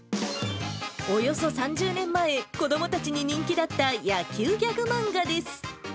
およそ３０年前、子どもたちに人気だった野球ギャグ漫画です。